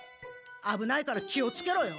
あぶないから気をつけろよ。